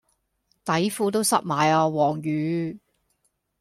底褲都濕埋啊黃雨